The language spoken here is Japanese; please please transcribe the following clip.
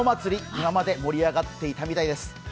今まで盛り上がっていたようです。